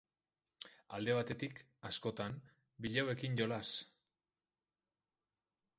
Alde batetik, askotan, bilobekin jolas.